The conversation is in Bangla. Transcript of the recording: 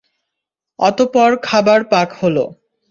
অতঃপর খাবার পাক হল।